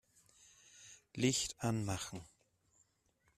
Licht anmachen.